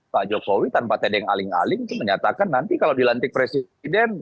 pak jokowi tanpa tedeng aling aling itu menyatakan nanti kalau dilantik presiden